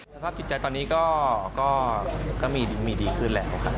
สภาพจิตใจตอนนี้ก็มีดีขึ้นแล้วครับ